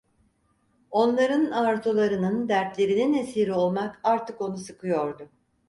Onların arzularının, dertlerinin esiri olmak artık onu sıkıyordu.